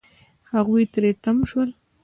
هغوی تری تم شول.